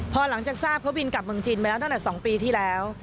พอหลังจากทราบเขาบินกลับเมืองจีนไปแล้วตั้งแต่๒ปีที่แล้ว